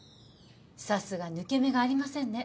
さすが抜け目がありませんね。